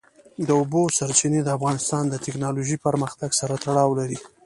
د اوبو سرچینې د افغانستان د تکنالوژۍ پرمختګ سره تړاو لري.